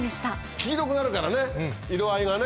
黄色くなるからね色合いがね。